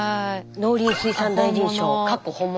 農林水産大臣賞カッコ本物。